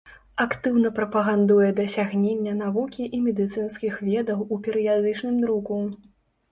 Актыўна прапагандуе дасягнення навукі і медыцынскіх ведаў у перыядычным друку.